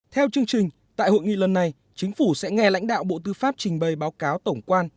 theo chương trình tại hội nghị lần này chính phủ sẽ nghe lãnh đạo bộ tư pháp trình bày báo cáo tổng quan